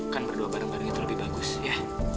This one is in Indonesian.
kan berdua bareng bareng itu lebih bagus ya